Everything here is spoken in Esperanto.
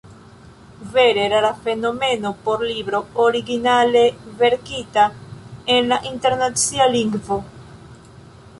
Vere rara fenomeno por libro, originale verkita en la internacia lingvo!